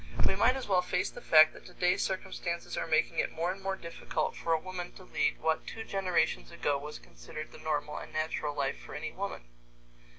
We might as well face the fact that today circumstances are making it more and more difficult for a woman to lead what two generations ago was considered the normal and natural life for any woman.